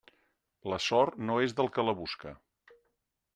La sort no és del que la busca.